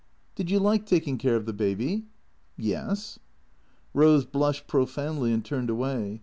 "Did you like taking care of the baby?" " Yes.'' Eose blushed profoundly and turned away.